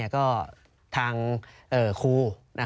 ก็ทางครู